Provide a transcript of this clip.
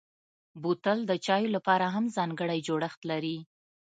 بوتل د چايو لپاره هم ځانګړی جوړښت لري.